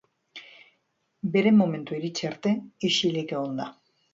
Bere momentua iritsi arte isilik egon da.